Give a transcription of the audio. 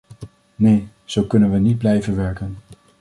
Nee, zo kunnen we niet blijven werken!